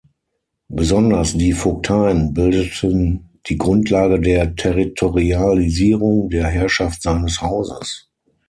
Besonders die Vogteien bildeten die Grundlage der Territorialisierung der Herrschaft seines Hauses.